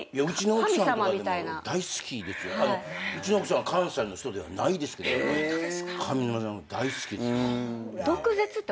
うちの奥さんは関西の人ではないですけど上沼さん大好きです。